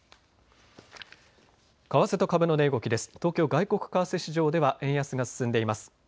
為替と株の値動きです。